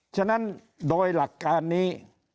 ฉะนั้นโดยหลักการนี้